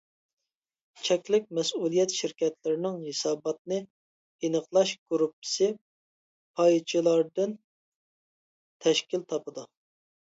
چەكلىك مەسئۇلىيەت شىركەتلىرىنىڭ ھېساباتنى ئېنىقلاش گۇرۇپپىسى پايچىلاردىن تەشكىل تاپىدۇ.